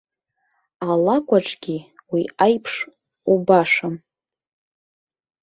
Алакә аҿгьы уи аиԥш убашам.